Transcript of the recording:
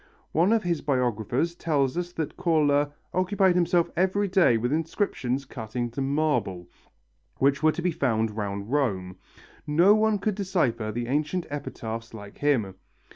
One of his biographers tells us that Cola "occupied himself every day with inscriptions cut into marble, which were to be found round Rome. No one could decipher the ancient epitaphs like him.